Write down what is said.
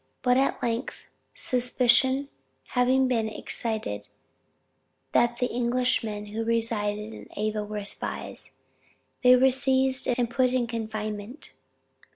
But at length suspicion having been excited that the Englishmen who resided in Ava were spies, they were seized and put in confinement.